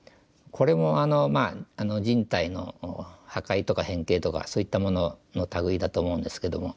これも人体の破壊とか変形とかそういったものの類いだと思うんですけども。